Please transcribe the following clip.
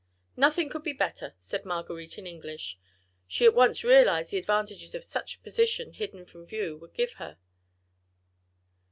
"Nothing could be better," said Marguerite in English; she at once realised the advantages such a position hidden from view would give her.